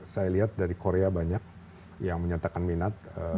saya lihat dari korea banyak yang menyatakan minat